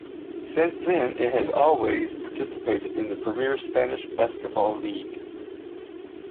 Since then, it has always participated in the premier Spanish basketball league.